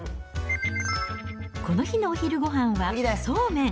この日のお昼ごはんはそうめん。